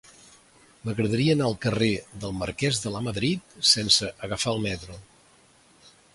M'agradaria anar al carrer del Marquès de Lamadrid sense agafar el metro.